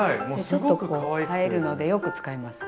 ちょっと映えるのでよく使います。